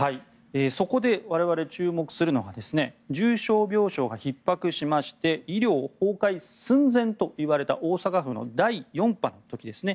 そこで我々注目するのが重症病床がひっ迫しまして医療崩壊寸前といわれた大阪府の第４波の時ですね。